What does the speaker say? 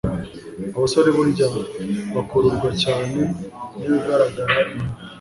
Abasore burya bakururwa cyane n'ibigaragara inyuma